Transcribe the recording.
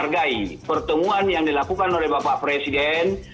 hargai pertemuan yang dilakukan oleh bapak presiden